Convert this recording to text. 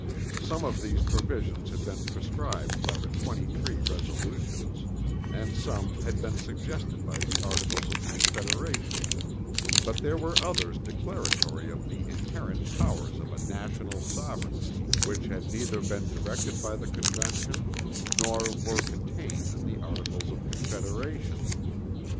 Some of these provisions had been prescribed by the 23 resolutions, and some had been suggested by the Articles of Confederation, but there were others declaratory of the inherent powers of a national sovereignty which had neither been directed by the Convention, nor were contained in the Articles of Confederation.